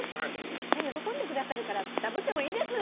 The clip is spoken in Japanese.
絶対喜んでくださるからダブってもいいです